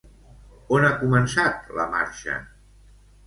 On ha començat la marxa?